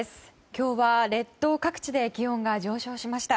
今日は列島各地で気温が上昇しました。